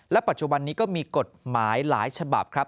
ปัจจุบันนี้ก็มีกฎหมายหลายฉบับครับ